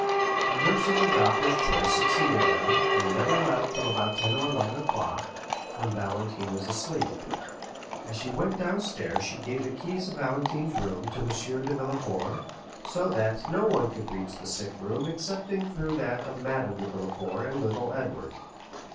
A nurse of the doctor's choice succeeded them, and never left till about ten or eleven o'clock, when Valentine was asleep. As she went downstairs she gave the keys of Valentine's room to M. de Villefort, so that no one could reach the sick room excepting through that of Madame de Villefort and little Edward.